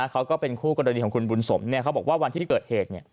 ก็เป็นคู่กรณีของคุณบุญสมเขาบอกว่าวันที่เกิดเหตุ